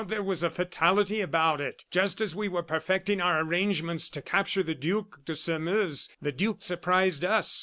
"Ah! there was a fatality about it! Just as we were perfecting our arrangements to capture the Duc de Sairmeuse, the duke surprised us.